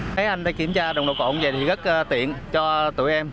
thấy anh đi kiểm tra nồng độ cồn vậy thì rất tiện cho tụi em